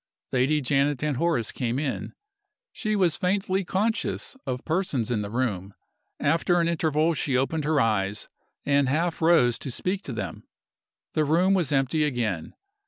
Lady Janet and Horace came in. She was faintly conscious of persons in the room. After an interval she opened her eyes, and half rose to speak to them. The room was empty again.